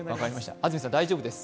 安住さん大丈夫です。